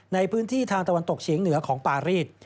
ในพื้นที่ทางตะวันตกเฉียงเหนือของปารีส